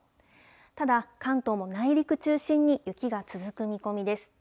ただ、関東も内陸中心に雪が続く見込みです。